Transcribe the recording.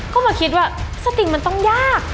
ก็มาคิดว่าสติงมันต้องยาก